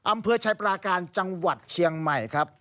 อำเภอชายปราการจังหวัดเชียงใหม่ครับ